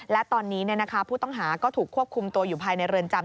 และตอนนี้ผู้ต้องหาก็ถูกควบคุมตัวอยู่ภายในเรือนจำ